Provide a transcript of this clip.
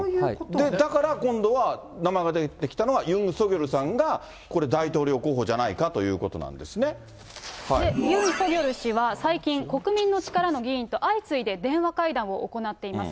で、だから今度は、名前が出てきたのは、ユン・ソギョルさんがこれ、大統領候補じゃないかということなんユン・ソギョル氏は最近、国民の力の議員と相次いで電話会談を行っています。